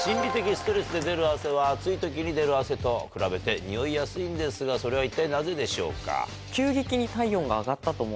ストレスで出る汗は暑い時に出る汗と比べてにおいやすいんですがそれは一体なぜでしょうか？